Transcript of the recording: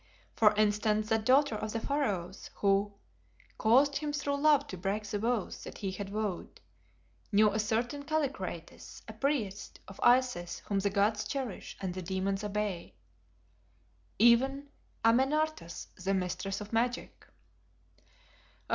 For instance that daughter of the Pharaohs who "caused him through love to break the vows that he had vowed" knew a certain Kallikrates, a priest of "Isis whom the gods cherish and the demons obey;" even Amenartas, the mistress of magic.